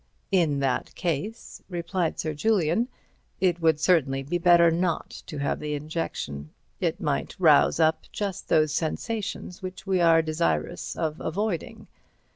"In that case," replied Sir Julian, "it would certainly be better not to have the injection. It might rouse up just those sensations which we are desirous of avoiding.